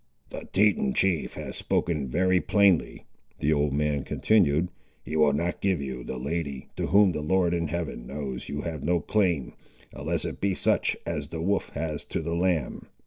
"The Teton chief has spoken very plainly," the old man continued; "he will not give you the lady, to whom the Lord in heaven knows you have no claim, unless it be such as the wolf has to the lamb.